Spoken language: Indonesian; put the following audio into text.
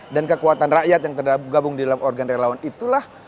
dan kekuatan rakyat yang tergabung dalam organ relawan itulah